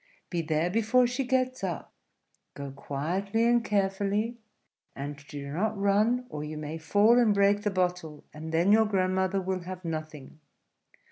Be there before she gets up; go quietly and carefully; and do not run, or you may fall and break the bottle, and then your grandmother will have nothing.